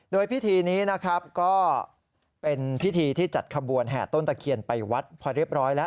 โดยพิธีนี้นะครับก็เป็นพิธีที่จัดขบวนแห่ต้นตะเคียนไปวัดพอเรียบร้อยแล้ว